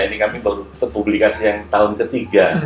ini kami baru ke publikasi yang tahun ketiga